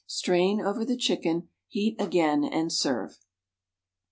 Strain over the chicken; heat again and serve.